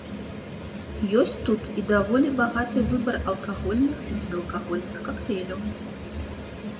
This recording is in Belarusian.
Ёсць тут і даволі багаты выбар алкагольных і безалкагольных кактэйляў.